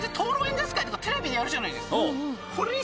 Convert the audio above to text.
テレビでやるじゃないですか。